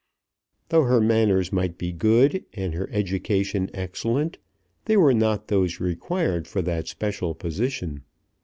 Though her manners might be good and her education excellent, they were not those required for that special position.